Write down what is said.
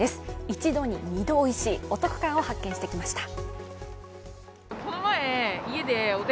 一度に二度美味しいお得感を発見してきました。